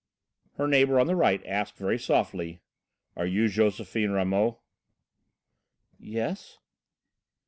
Her neighbour on the right asked very softly: "Are you Josephine Ramot?" "Yes."